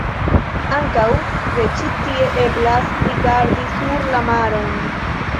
Ankaŭ de ĉi-tie eblas rigardi sur la maron.